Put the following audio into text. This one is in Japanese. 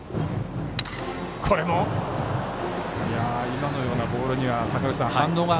今のようなボールには反応が。